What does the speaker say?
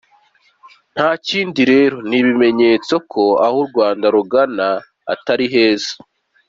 Ntakindi rero ni ibimenyetso ko aho u Rwanda rugana atari heza.